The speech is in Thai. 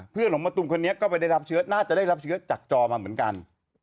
ของมะตูมคนนี้ก็ไม่ได้รับเชื้อน่าจะได้รับเชื้อจากจอมาเหมือนกัน